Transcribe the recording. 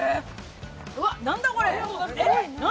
うわっ、何だこれ、何？